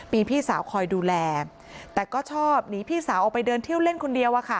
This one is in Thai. มีพี่สาวคอยดูแลแต่ก็ชอบหนีพี่สาวออกไปเดินเที่ยวเล่นคนเดียว